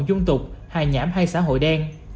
dung tục hài nhảm hay xã hội đen